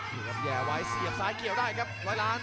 เดินแสงไว้เสียบซ้ายเกี่ยวได้ครับ๑๐๐ร้าน